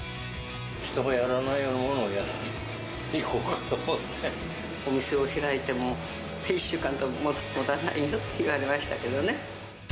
人がやらないようなものを、お店を開いても、１週間ともたないよって言われましたけどね。